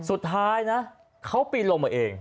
สุดท้ายนะเขาปีนลงมาเอง